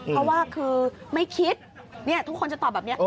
เพราะว่าคือไม่คิดทุกคนจะตอบแบบนี้